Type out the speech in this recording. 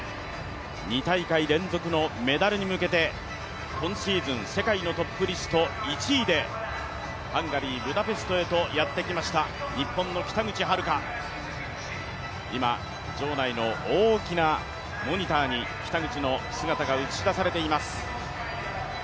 ２大会連続のメダルに向けて今シーズン世界のトップリスト１位でハンガリー・ブダペストへとやってきました日本の北口榛花、今、場内の大きなモニターに北口の姿が映し出されています。